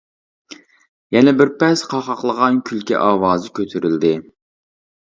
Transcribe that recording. يەنە بىر پەس قاقاقلىغان كۈلكە ئاۋازى كۆتۈرۈلدى.